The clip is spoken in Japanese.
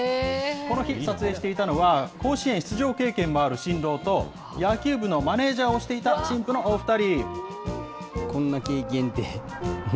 この日、撮影していたのは、甲子園出場経験もある新郎と、野球部のマネージャーをしていた新婦のお２人。